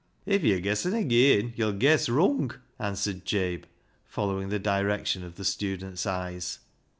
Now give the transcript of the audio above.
" If yo' guessen ageean yo'll guess wrung," answered Jabe, following the direction of the student's eyes.